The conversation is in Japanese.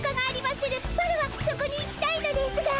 ワラワそこに行きたいのですが。